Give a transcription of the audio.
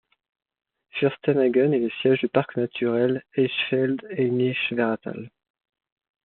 Fürstenhagen est le siège du Parc naturel Eichsfeld-Hainich-Werratal.